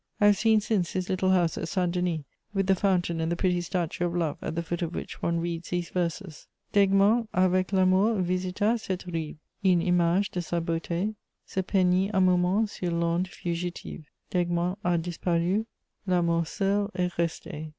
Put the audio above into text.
I have since seen his little house at Saint Denis, with the fountain and the pretty statue of Love, at the foot of which one reads these verses: D'Egmont avec l'Amour visita cette rive: Une image de sa beauté Se peignit un moment sur l'onde fugitive: D'Egmont a disparu; l'Amour seul est resté.